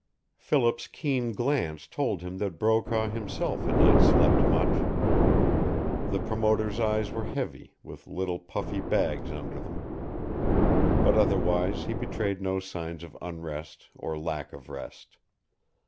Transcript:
Philip's keen glance told him that Brokaw himself had not slept much. The promoter's eyes were heavy, with little puffy bags under them. But otherwise he betrayed no signs of unrest or lack of rest.